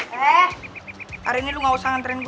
hei hari ini kamu tidak perlu menantikan aku